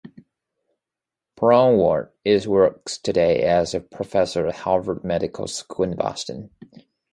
Braunwald is works today as a professor at Harvard Medical School in Boston.